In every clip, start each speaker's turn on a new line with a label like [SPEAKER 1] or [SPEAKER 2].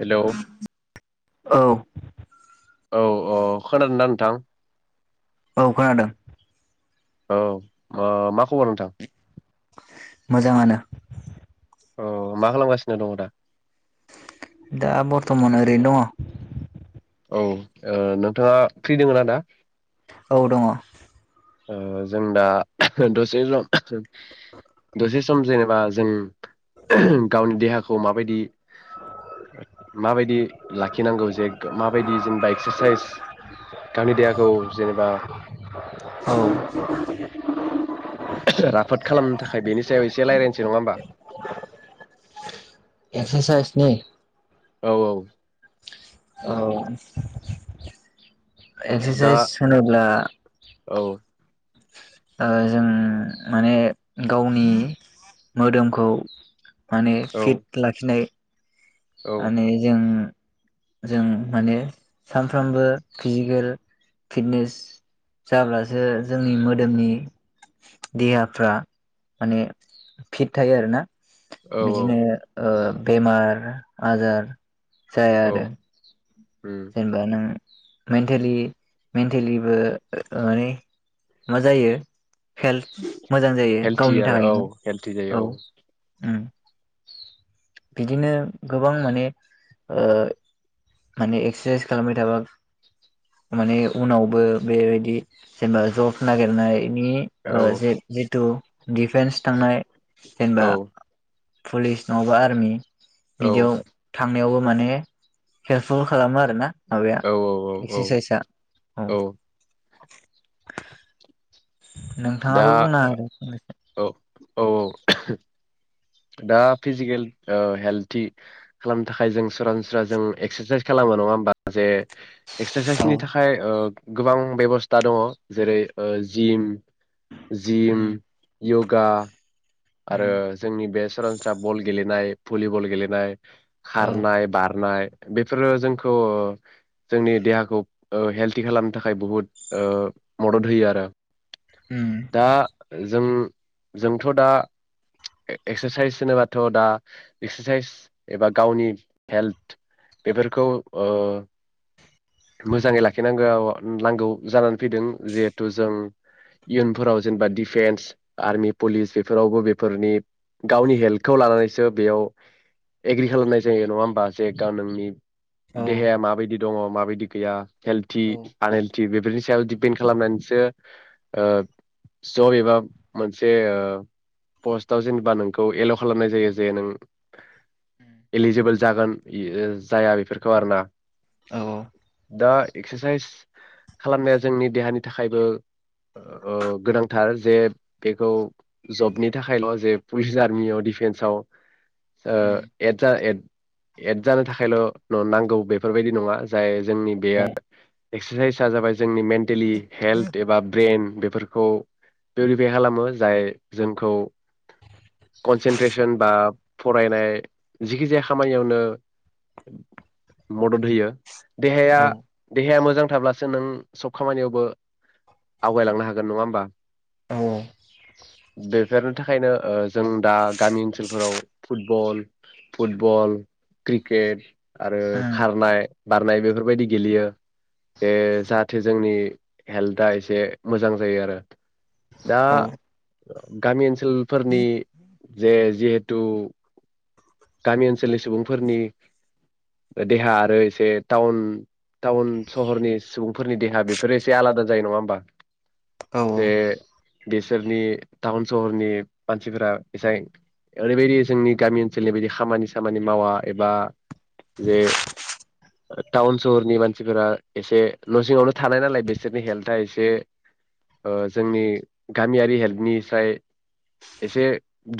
[SPEAKER 1] Hello
[SPEAKER 2] औ
[SPEAKER 1] औ औ खोनादोंना नोंथां
[SPEAKER 2] औ खोनादों।
[SPEAKER 1] औ ओ मा खबर नोंथां?
[SPEAKER 2] मोजाङानो
[SPEAKER 1] अ मा खालामगासिनो दङ दा?
[SPEAKER 2] दा बर्थमान ओरैनो दङ।
[SPEAKER 1] औ ओ नोंथाङा फ्रि दङोना दा?
[SPEAKER 2] औ दङ।
[SPEAKER 1] ओ जों दा दसे सम दसे सम जेनेबा जों गावनि देहाखौ माबायदि माबायदि लाखिनांगौ जे माबायदि जेनेबा एक्सारसाइस गावनि देहाखौ जेनेबा
[SPEAKER 2] औ
[SPEAKER 1] राफोद खालाम मो थाखाय बेनि सायाव एसे रायज्लायनोसै नङा होमबा?
[SPEAKER 2] एक्सारसाइसनि
[SPEAKER 1] औ औ
[SPEAKER 2] औ
[SPEAKER 1] दा
[SPEAKER 2] एक्सारसाइस होनोब्ला
[SPEAKER 1] औ
[SPEAKER 2] ओ जों माने गावनि मोदोमखौ माने
[SPEAKER 1] औ
[SPEAKER 2] फिट लाखिनाय
[SPEAKER 1] औ
[SPEAKER 2] माने जों जों माने सानफ्रामबो फिजिकेल फिटनेस जाब्लासो जोंनि मोदोमनि देहाफ्रा माने फिट थायो आरोना।
[SPEAKER 1] औ
[SPEAKER 2] बिदिनो ओ बेमार आजार जाया
[SPEAKER 1] औ
[SPEAKER 2] आरो जेनेबा नों मेन्टेलि मेन्टेलिबो ओ ओ माने मा जायो हेल्थ मोजां जायो
[SPEAKER 1] हेल्थि
[SPEAKER 2] गावनि
[SPEAKER 1] आरो औ
[SPEAKER 2] थाखायनो
[SPEAKER 1] हेल्थि
[SPEAKER 2] औ
[SPEAKER 1] जायो
[SPEAKER 2] ओम बिदिनो गोबां माने ओ माने एक्सेसाइस खालामबाय थाबा माने उनावबो बेबायदि जेनेबा जब नागिरनाय नि
[SPEAKER 1] औ
[SPEAKER 2] ओ
[SPEAKER 1] औ
[SPEAKER 2] जे-जेथु डिफेन्स थांनाय जेनेबा
[SPEAKER 1] औ
[SPEAKER 2] पुलिस नङाबा आर्मि
[SPEAKER 1] औ
[SPEAKER 2] बिदियाव थां नायावबो माने हेलफुल खालामो आरो ना। माबाया
[SPEAKER 1] औ औ
[SPEAKER 2] एक्सेसाइसा औ [inaudible]
[SPEAKER 1] दा
[SPEAKER 2] नोंथाङाबो बुंनो हागोन फंनैसो
[SPEAKER 1] औ औ औ दा फिजिकेल ओ हेल्थि खालामनो थाखाय जों सरासनस्रा जों एक्सेसाइस खालामो नङा होमबा जे
[SPEAKER 2] औ
[SPEAKER 1] एक्सेसाइसनि थाखाय ओ गोबां बेब'स्था दङ जेरै ओ जिम जिम
[SPEAKER 2] उम
[SPEAKER 1] यग गा आरो
[SPEAKER 2] उम
[SPEAKER 1] जोंनि बे सरासनस्रा बल गेलेनाय भुलिबल गेलेनाय
[SPEAKER 2] औ
[SPEAKER 1] खारनाय बारनाय बेफोरो जोंखौ ओ जोंनि देहाखौ ओ हेल्थि खालामनो थाखाय बुहुद ओ मदद होयो आरो
[SPEAKER 2] उम
[SPEAKER 1] दा जों जोंथ' दा एक्सेसाइस होनोबाथ' दा एक्सेसाइस एबा गावनि हेल्थ बेफोरखौ ओ मोजाङै लाखिनांगोआव नांगौ जानानै फैदों जिहेथु जों इयुनफोराव जेनेबा डिफेन्स आर्मि पुलिस बेफोर बेफोरावबो बेफोरनि गावनि हेल्थखौ लानानैसो बेयाव एग्रि खालामनाय जायो नङा होमबा जे गा नोंनि
[SPEAKER 2] औ
[SPEAKER 1] देहाया माबायदि दङ माबायदि गैया हेलटि
[SPEAKER 2] औ
[SPEAKER 1] आनहेलटि बे बेफोरनि सायाव दिपेन्ड खालामनानैसो ओ जय बा मोनसे ओ पस्टआव जेनेबा नोंखौ एलाव खालामनाय जायो जे नों
[SPEAKER 2] उम
[SPEAKER 1] एलिजिबोल जागोन जाया बेफोरखौ आरोना ।
[SPEAKER 2] औ औ
[SPEAKER 1] दा एक्सारसाइस खालामनाया जोंनि देहानि थाखायबो ओ गोनांथार जे बेखौ जबनि थाखायल' जे पुलिस आर्मियाव डिफेन्सआव ओ
[SPEAKER 2] उम
[SPEAKER 1] एद जा एड एद जानो थाखायल नांगौ बेफोरबायदि नङा जाय जोंनि बे
[SPEAKER 2] उम
[SPEAKER 1] एकरसाइस आ जाबाय जोंनि मेन्टेलि हेल्थ एबा ब्रेन बेफोरखौ पिउरिफाइ खालामो जाय जोंखौ कनसेेनट्रेसोन बा फरायनाय जिखिजाया खामानियावनो मदद होयो । देहाया
[SPEAKER 2] औ
[SPEAKER 1] देहाया मोजां थाब्लासो नों सब खामानियावबो आवगायलांनो हागोन नङा होमबा
[SPEAKER 2] औ
[SPEAKER 1] बेफोरनि थाखायनो ओ जों दा गामि ओनसोलफोराव फुटबल फुटबल क्रिकेट आरो
[SPEAKER 2] उम
[SPEAKER 1] खारनाय बारनाय बेफोरबायदि गेलेयो बे जाहाथे जोंनि हेल्थआ एसे मोजां जायो आरो। दा
[SPEAKER 2] औ उम
[SPEAKER 1] गामि ओन सोलफोरनि जे जि दु गामि ओनसोलनि सुबुंफोरनि देहा आरो एसे टाउन टाउन सहरनि सुबुं फोरनि देहा बेफोर एसे आलादा जायो नङा होमबा।
[SPEAKER 2] औ
[SPEAKER 1] बे बे नि टाउन सहरनि मानसिफोरा एसे ओरैबायदि जोंनि गामि ओनसोलनि बायदि खामानि सामानि मावा एबा जे टाउन सहरनि मानसिफोरा एसे न' सिङावनो थानाय नालाय बिसोरनि हेल्थआ एसे ओ जोंनि गामियारि हेल्थनिसाय एसे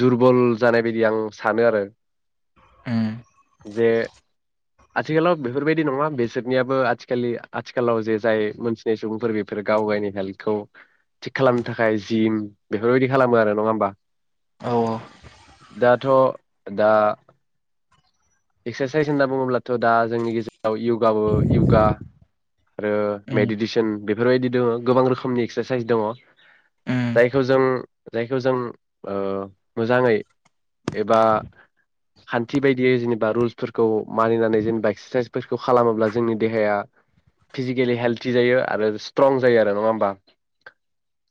[SPEAKER 1] दुरबल जानाय बायदि आं सानो आरो । जे आथिखालाव बेफोरबायदि नङा बेसोरनियाबो आथिखालि आथिखालाव जे जाय मोनथिनाय सुबुंफोर बेफोरो गाव गावनि हेल्थखौ थिग खालामनो थाखाय जिम बेफोरबायदि खालामो आरो नङा होमबा।
[SPEAKER 2] औ औ
[SPEAKER 1] दाथ दा एक्सारसाइस होनना बुङोब्लाथ दा जोंनि गेजेराव यगाबो यगा आरो
[SPEAKER 2] उम
[SPEAKER 1] मेडिटेसन बेफोरबायदि दङ गोबां रोखोमनि एक्सारसाइस दङ
[SPEAKER 2] उम
[SPEAKER 1] जायखौ जों जायखौ जों ओ मोजाङै एबा खान्थि बायदियै जेनेबा रुल्सफोरखौ मानिनानै जेनेबा एक्सारसाइसफोरखौ खालामोब्ला जोंनि देहाया फिजिकेलि हेल्थि जायो आरो स्ट्रं जायो आरो नङा होमबा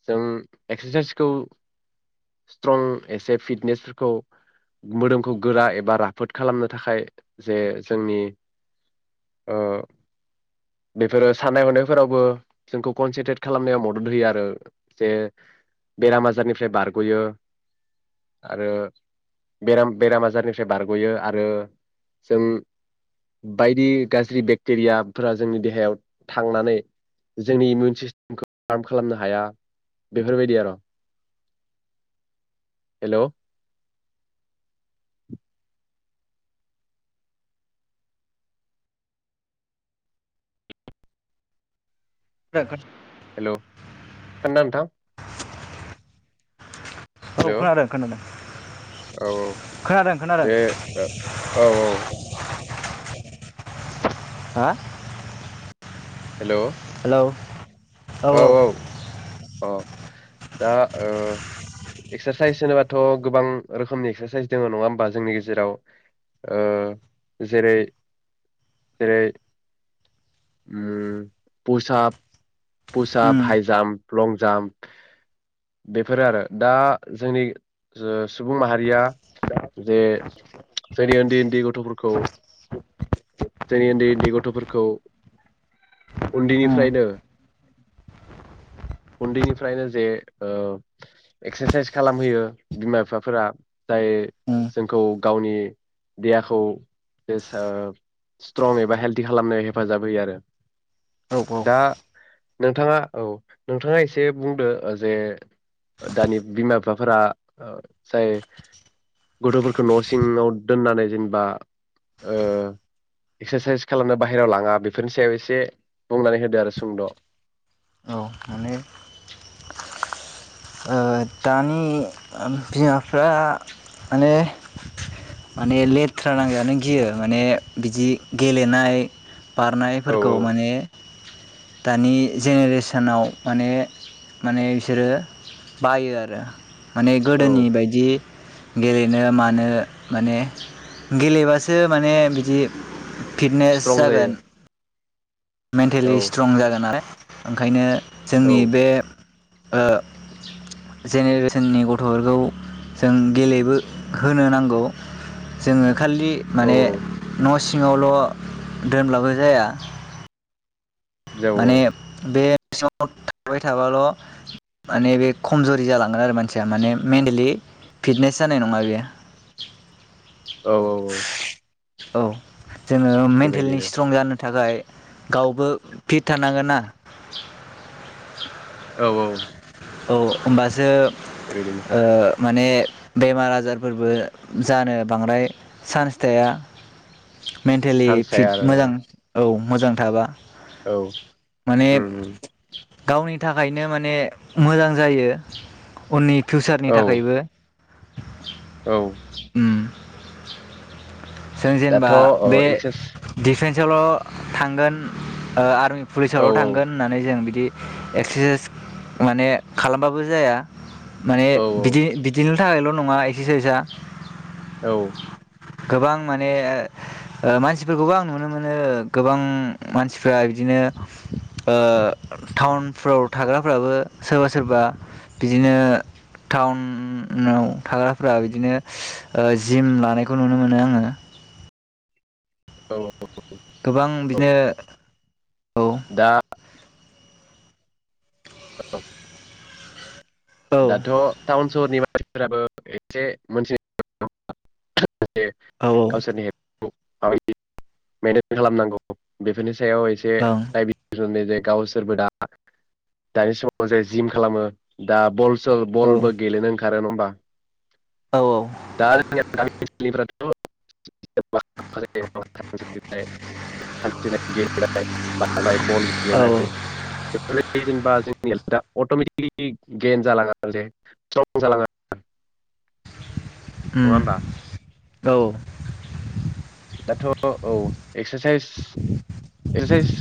[SPEAKER 1] जों एक्सारसाइसखौ स्ट्रं एसे फिटनेसफोरखौ मोदोमखौ गोरा एबा राफोद खालामनो थाखाय जे जोंनि ओ बेफोरो साननाय हनायफोरावबो जोंखौ कनसेन्ट्रेट खालामनायाव मदद होयो आरो जे बेराम आजारनिफ्राय बारगयो आरो बेराम बेराम आजारनिफ्राय बारगयो आरो जों बायदि गाज्रि बेक्टेरियाफोरा जोंनि देहायाव थांनानै जोंनि इमिउन सिस्टेमखौ हार्म खालामनो हाया बेफोरबायदि आरो हेलौ
[SPEAKER 2] [unintelligible]
[SPEAKER 1] हेलौ खानना नोंथां हेलौ
[SPEAKER 2] खोनादों खोनादों
[SPEAKER 1] औ औ
[SPEAKER 2] खोनादों खोनादों
[SPEAKER 1] दे औ औ
[SPEAKER 2] हा
[SPEAKER 1] हेलौ
[SPEAKER 2] हेलौ
[SPEAKER 1] औ औ अ दा ओ एक्सारसाइस होनोबाथ गोबां रोखोमनि एक्सारसाइस दङ नङा होमबा जोंनि गेजेराव ओ जेरै जेरै उम फुसाब पुसाप
[SPEAKER 2] उम
[SPEAKER 1] हायजाम लं जाम्प बेफोरो आरो दा जोंनि सुबुं माहारिया जे जोंनि उन्दै उन्दै गथफोरखौ जोंनि उन्दै उन्दै गथफोरखौ
[SPEAKER 2] उम
[SPEAKER 1] उन्दैनिफ्रायनो उन्दैनिफ्रायनो जे ओ एक्सारसाइस खालामहैयो बिमा बिफाफोरा जाय
[SPEAKER 2] उम
[SPEAKER 1] जोंखौ गावनि देहाखौ जे स्ट्रं एबा हेल्डि खालामनो हेफाजाब होयो आरो
[SPEAKER 2] औ
[SPEAKER 1] दा नोंथाङा औ नोंथाङा एसे बुंदो जे दानि बिमा बिफाफोरा जाय गथफोरखौ न सिङाव दोननानै जेनेबा एक्सारसाइस खालामनो बाहेरायाव लाङा बेफोरनि सायाव एसे बुंनानै होदो आरो सुंद
[SPEAKER 2] औ माने ओ दानि ओम बिमाफ्रा माने माने लेथ्रा नांजानो गियो माने बिदि गेलेनाय
[SPEAKER 1] औ
[SPEAKER 2] बारनायफोरखौ माने दानि जेनेरेसनाव माने माने बिसोरो बायो आरो माने
[SPEAKER 1] औ
[SPEAKER 2] गोदोनि बायदि गेलेनो मानो माने गेलेबासो माने बिदि फिटनेस
[SPEAKER 1] स्ट्रं
[SPEAKER 2] जागोन
[SPEAKER 1] जायो
[SPEAKER 2] मेन्टेलि
[SPEAKER 1] औ
[SPEAKER 2] स्ट्रं जागोन आरो ओंखायनो जोंनि
[SPEAKER 1] औ
[SPEAKER 2] बे ओ जेनेरेसननि गथफोरखौ जों गेलेबो होनो नांगौ जोङो खालि
[SPEAKER 1] औ
[SPEAKER 2] माने
[SPEAKER 1] औ
[SPEAKER 2] न सि सिङावल दोनब्लाबो जाया
[SPEAKER 1] जौ औ
[SPEAKER 2] माने बे सि थाबाय थाबाल माने बे खमजरि जालांगोन आरो मानसिया माने मेन्टेलि फिटनेस जानाय नङा बेयो
[SPEAKER 1] औ औ औ
[SPEAKER 2] औ जोङो मेन्टेलि
[SPEAKER 1] बेबायदिनो
[SPEAKER 2] स्ट्रं जानो थाखाय गावबो फिट थानांगोन ना
[SPEAKER 1] औ औ
[SPEAKER 2] औ होमबासो
[SPEAKER 1] बेबायदिनो
[SPEAKER 2] ओ माने बेमार आजारफोरबो जानो बांद्राय चान्स थाया। मेन्टेलि
[SPEAKER 1] चान्स थाया
[SPEAKER 2] फिट
[SPEAKER 1] आरो
[SPEAKER 2] मोजां
[SPEAKER 1] औ
[SPEAKER 2] औ। मोजां थाबा।
[SPEAKER 1] औ
[SPEAKER 2] माने
[SPEAKER 1] उम उम
[SPEAKER 2] गावनि थाखायनो माने मोजां जायो उननि फिउचारनि
[SPEAKER 1] औ
[SPEAKER 2] थाखायबो।
[SPEAKER 1] औ
[SPEAKER 2] उम [inaudible] जों
[SPEAKER 1] दाथ'
[SPEAKER 2] जेनेबा
[SPEAKER 1] ओ
[SPEAKER 2] बे
[SPEAKER 1] एक्सारस
[SPEAKER 2] डिफेन्स से ल थांगोन ओ
[SPEAKER 1] औ
[SPEAKER 2] पुलिसावल
[SPEAKER 1] औ
[SPEAKER 2] थांगोन होननानै जों बिदि एक्सारसाइस माने खालामबाबो जाया। माने
[SPEAKER 1] औ
[SPEAKER 2] बिदि बिदिनो थाखायल नङा एक्सेसाइजआ
[SPEAKER 1] औ
[SPEAKER 2] गोबां माने ओ मानसिफोरखौबो आं नुनो मोनो गोबां मानसिफ्रा बिदिनो ओ टाउनफ्राव थाग्राफ्राबो सोरबा सोरबा बिदिनो टाउनाव थाग्राफ्रा बिदिनो जिम लानायखौ नुनो मोनो आङो।
[SPEAKER 1] औ
[SPEAKER 2] गोबां बिदिनो औ
[SPEAKER 1] दा
[SPEAKER 2] औ
[SPEAKER 1] दाथ टाउन सरहनि बा मानसिफोराबो एसे मोनथि [unintelligible] [unintelligible]
[SPEAKER 2] औ
[SPEAKER 1] गावसोरनि [unintelligible] खालामनांगौ बेफोरनि सायाव एसे
[SPEAKER 2] औ ओं
[SPEAKER 1] दाइ [unintelligible] जायो गावसोरबो दा दानि समाव जाय जिम खालामो दा बल बलबो गेलेनांगो खारो होमबा
[SPEAKER 2] औ
[SPEAKER 1] दा [unintelligible] [unintelligible] बल
[SPEAKER 2] औ
[SPEAKER 1] गेलनाय बेफोरबादि जेनेबा जोंनिआ दा अटमेटिकेलि गेेन जालाङा जे स्ट्रं जालाङा नङा
[SPEAKER 2] उम
[SPEAKER 1] होनबा
[SPEAKER 2] औ
[SPEAKER 1] दाथ' औ एक्सारसाइस एक्सासाइस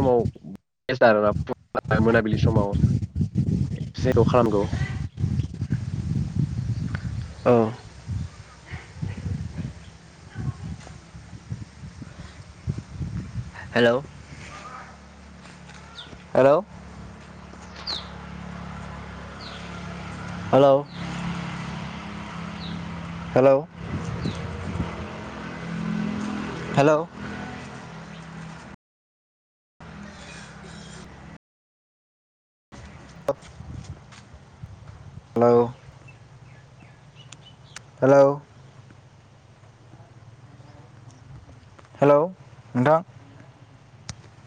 [SPEAKER 1] समाव [unintelligible] मोनाबिलि समाव मोनसे जायगायाव खानांगौ
[SPEAKER 2] ओं hello hello hello hello hello hello hello hello नोंथां